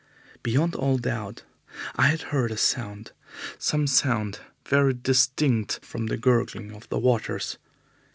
Beyond all doubt I had heard a sound some sound very distinct from the gurgling of the waters.